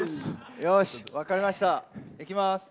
よし、分かりました、行きます！